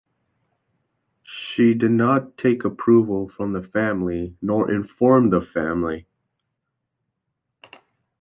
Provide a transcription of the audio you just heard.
She did not take approval from the family nor informed the family.